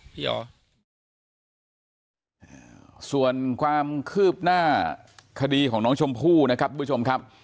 ส่วนความคืบหน้าคดีของน้องชมพู่นะครับทุกผู้ชมครับ